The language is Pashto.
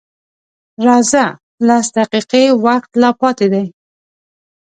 _راځه! لس دقيقې وخت لا پاتې دی.